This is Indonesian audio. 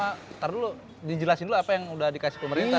ntar dulu dijelasin dulu apa yang udah dikasih pemerintah